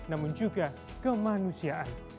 namun juga kemanusiaan